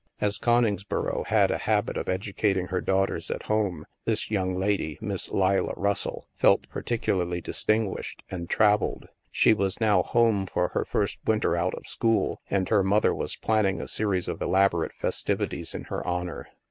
As Coningsboro had a habit of educating her daughters at home, this young lady. Miss Leila Russell, felt particularly distinguished and " traveled." She was now home for her first winter out of school, and her mother was planning a series of elaborate festivities in her honor.